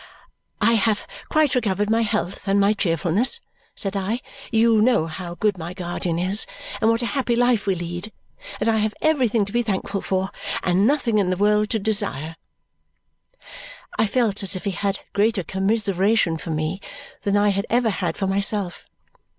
"I have quite recovered my health and my cheerfulness," said I. "You know how good my guardian is and what a happy life we lead, and I have everything to be thankful for and nothing in the world to desire." I felt as if he had greater commiseration for me than I had ever had for myself.